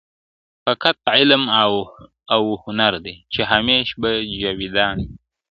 • فقط علم او هنر دی چي همېش به جاویدان وي..